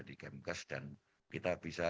di kemkes dan kita bisa